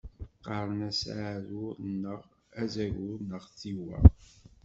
Qqaren-as aɛrur neɣ azagur neɣ tiwwa.